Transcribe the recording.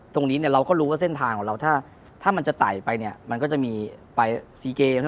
ตรงนี้เนี่ยเราก็รู้ว่าเส้นทางของเราถ้ามันจะไต่ไปเนี่ยมันก็จะมีไปซีเกม